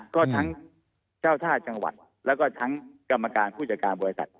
ก็ทั้งเจ้าท่าจังหวัดแล้วก็ทั้งกรรมการผู้จัดการบริษัท